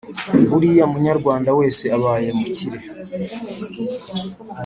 Buri munyarwanda wese abaye umukire